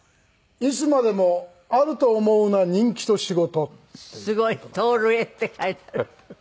「いつまでもあると思うな人気と仕事」